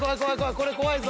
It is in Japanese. これ怖いぞ。